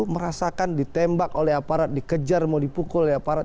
merasakan ditembak oleh aparat dikejar mau dipukul oleh aparat